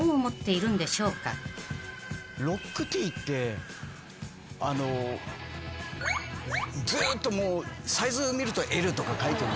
ロックＴってずっともうサイズ見るとＬとか書いてるんですよ。